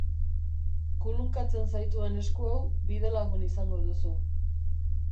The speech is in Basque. Kulunkatzen zaituen esku hau bidelagun izango duzu.